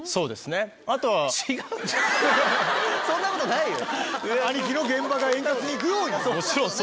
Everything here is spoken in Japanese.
そんなことないよ！